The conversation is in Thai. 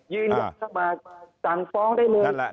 ยืดเข้ามาสั่งฟ้องได้เลย